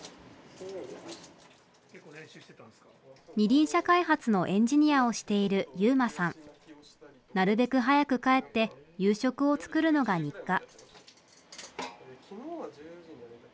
二輪車開発のエンジニアをしているなるべく早く帰って夕食を作るのが日課。